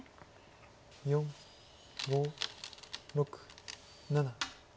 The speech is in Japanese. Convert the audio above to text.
４５６７。